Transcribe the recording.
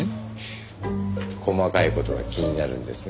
細かい事が気になるんですね？